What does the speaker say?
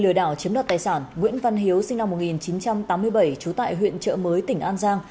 lừa đảo chiếm đoạt tài sản nguyễn văn hiếu sinh năm một nghìn chín trăm tám mươi bảy trú tại huyện trợ mới tỉnh an giang